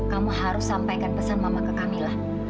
kamu harus sampaikan pesan mama ke camilla